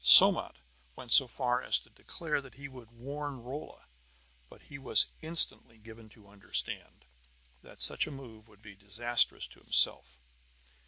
Somat went so far as to declare that he would warn Rolla; but he was instantly given to understand that any such move would be disastrous to himself.